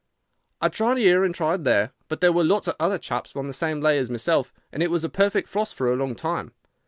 I tried here and tried there, but there were lots of other chaps on the same lay as myself, and it was a perfect frost for a long time.